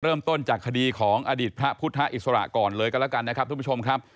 เริ่มต้นจากคดีของอดีตพระพุทธอิสระก่อนเลยกันแล้วกันนะครับทุกผู้ชมครับ